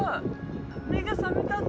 目が覚めたね。